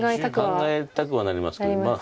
考えたくはなりますけどまあ